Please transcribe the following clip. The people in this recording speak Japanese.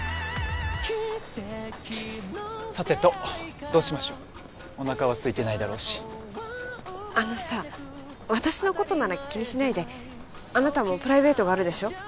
さてとどうしましょうおなかはすいてないだろうしあのさ私のことなら気にしないであなたもプライベートがあるでしょ